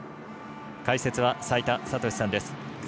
解説は齋田悟司さんです。